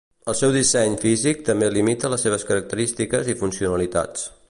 El seu disseny físic també limita les seves característiques i funcionalitats.